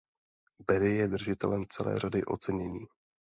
Berry je držitelem celé řady ocenění.